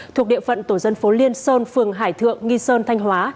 thuộc địa phận tổ dân phố liên sơn phường hải thượng nghi sơn thanh hóa